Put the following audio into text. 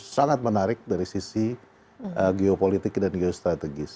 sangat menarik dari sisi geopolitik dan geostrategis